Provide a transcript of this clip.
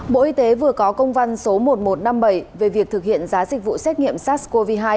bộ y tế vừa có công văn số một nghìn một trăm năm mươi bảy về việc thực hiện giá dịch vụ xét nghiệm sars cov hai